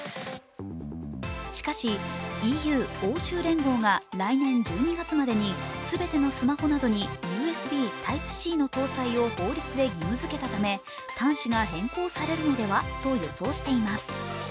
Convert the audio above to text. しかしＥＵ＝欧州連合が来年１２月までに全てのスマホなどにＵＳＢＴｙｐｅ−Ｃの搭載を法律で義務づけたため、端子が変更されるのではと予想されています。